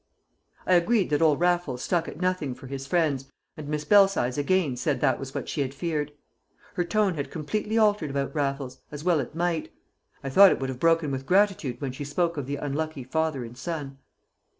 I agreed that old Raffles stuck at nothing for his friends, and Miss Belsize again said that was what she had feared. Her tone had completely altered about Raffles, as well it might. I thought it would have broken with gratitude when she spoke of the unlucky father and son.